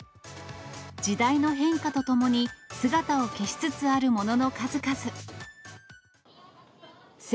時代の変化とともに姿を消しつつあるものの数々。